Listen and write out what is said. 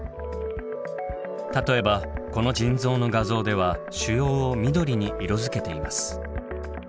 例えばこの腎臓の画像では腫瘍を緑に色づけています。